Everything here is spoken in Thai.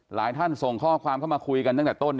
ท่านส่งข้อความเข้ามาคุยกันตั้งแต่ต้น